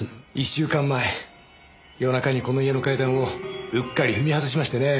１週間前夜中にこの家の階段をうっかり踏み外しましてね。